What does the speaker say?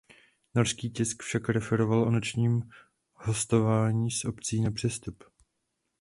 Norský tisk však referoval o ročním hostování s opcí na přestup.